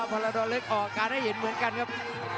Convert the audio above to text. พรดอนเล็กออกการให้เห็นเหมือนกันครับ